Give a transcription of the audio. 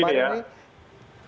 jadi begini ya